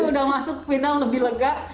udah masuk final lebih lega